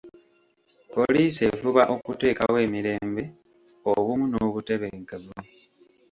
Poliisi efuba okuteekawo emirembe, obumu n'obutebenkevu.